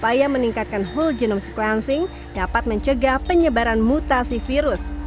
upaya meningkatkan whole genome sequencing dapat mencegah penyebaran mutasi virus